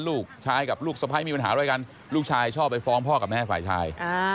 ลูกชายกับลูกสะพ้ายมีปัญหาอะไรกันลูกชายชอบไปฟ้องพ่อกับแม่ฝ่ายชาย